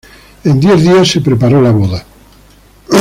En diez días se preparó la boda.